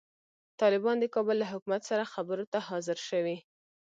طالبان د کابل له حکومت سره خبرو ته حاضر شوي.